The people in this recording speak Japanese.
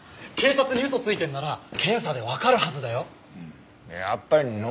警察に嘘ついてるなら検査でわかるはずだよ。